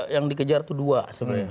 yang dikejar itu dua sebenarnya